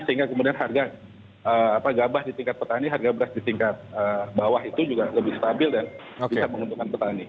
sehingga kemudian harga gabah di tingkat petani harga beras di tingkat bawah itu juga lebih stabil dan bisa menguntungkan petani